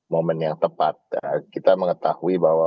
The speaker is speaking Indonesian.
momen yang tepat kita mengetahui bahwa